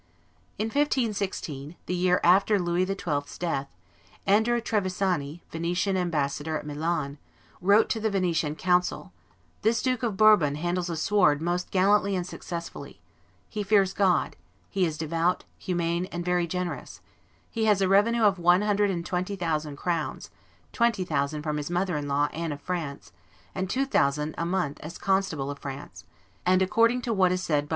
In 1516, the year after Louis XII.'s death, Andrew Trevisani, Venetian ambassador at Milan, wrote to the Venetian council, "This Duke of Bourbon handles a sword most gallantly and successfully; he fears God, he is devout, humane, and very generous; he has a revenue of one hundred and twenty thousand crowns, twenty thousand from his mother in law, Anne of France, and two thousand a month as constable of France; and, according to what is said by M.